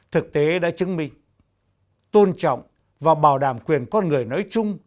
thực tế đã chứng minh tôn trọng và bảo đảm quyền con người nói chung